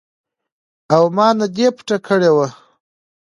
او ما نه دې پټه کړې وه.